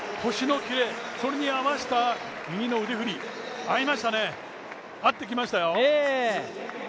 それに合わせた右の腕振り合いましたね、合ってきましたよ。